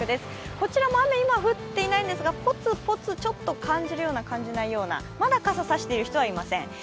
こちらも雨、今は降っていないんですが、ポツポツちょっと感じるような感じないような、まだ傘を差している人はいません。